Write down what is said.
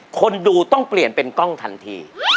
คนดูต้องเปลี่ยนเป็นกล้องทันที